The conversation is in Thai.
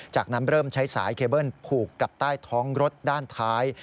จากนั้นเริ่มใช้สายเคเบิ้ลผูกกับใต้ท้องรถด้านท้าย